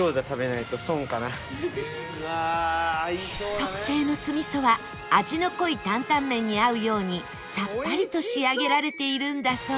特製の酢味噌は味の濃いタンタンメンに合うようにさっぱりと仕上げられているんだそう